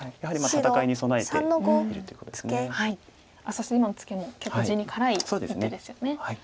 そして今のツケも結構地に辛い一手ですよね。